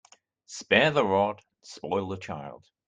Spare the rod and spoil the child.